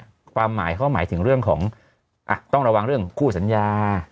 ความหมายเขาหมายถึงเรื่องของต้องระวังเรื่องคู่สัญญา